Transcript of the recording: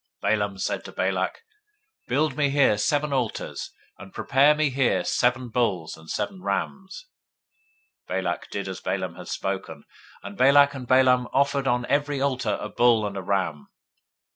023:001 Balaam said to Balak, Build me here seven altars, and prepare me here seven bulls and seven rams. 023:002 Balak did as Balaam had spoken; and Balak and Balaam offered on every altar a bull and a ram.